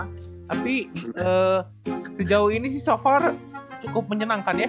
tapi sejauh ini sih so far cukup menyenangkan ya